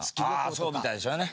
そうみたいですよね。